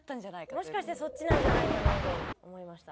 もしかしてそっちなんじゃないかなと思いました。